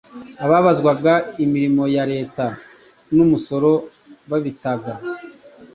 ababazwaga imirimo ya Leta n'umusoro babitaga